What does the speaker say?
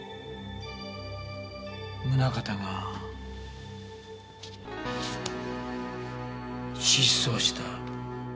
宗形が失踪した。